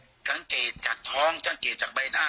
ไม่เห็นเลยแต่ทั้งเกตจากท้องทั้งเกตจากใบหน้า